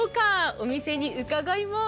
お店に伺います。